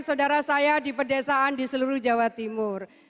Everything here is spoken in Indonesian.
saudara saya di pedesaan di seluruh jawa timur